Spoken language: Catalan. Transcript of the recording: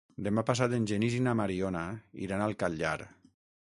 Demà passat en Genís i na Mariona iran al Catllar.